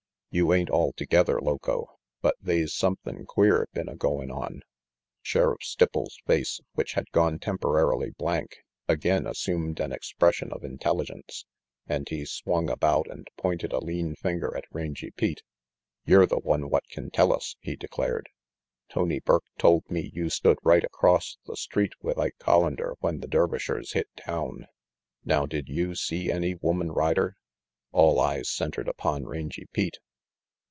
"You ain't altogether loco, but they's sumthin' queer been a goin' on." Sheriff Stipples' face, which had gone temporarily blank, again assumed an expression of intelligence and he swung about and pointed a lean finger at Rangy Pete. "Yer the one what can tell us," he declared. "Tony Burke told me you stood right across the street with Ike Collander when the Dervishers hit town. Now did you see any woman rider?" All eyes centered upon Rangy Pete.